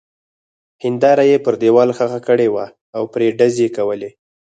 هېنداره يې پر دېوال ښخه کړې وه او پرې ډزې کولې.